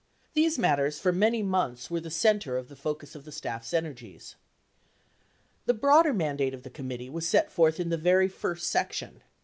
These matters for many months were the center of focus of the staff's energies. The broader mandate of the committee was set forth in the very first section.